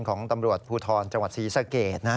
ของตำรวจภูทรจศเสริษฐ์